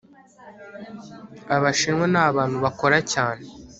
abashinwa ni abantu bakora cyane